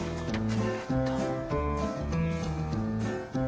えーっと。